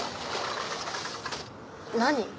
何？